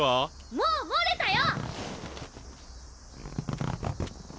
もう漏れたよ！